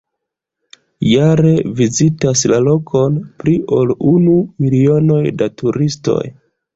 Jare vizitas la lokon pli ol unu milionoj da turistoj.